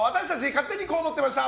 勝手にこう思ってました！